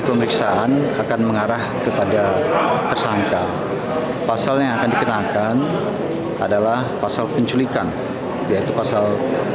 pemeriksaan akan mengarah kepada tersangka pasalnya akan dikenakan adalah pasal penculikan yaitu pasal